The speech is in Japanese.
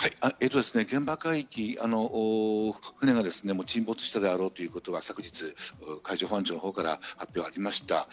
現場海域を船が沈没したであろうということが昨日、海上保安庁のほうから発表がありました。